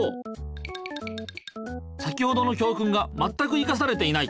先ほどの教くんがまったくいかされていない。